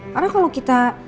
karena kalau kita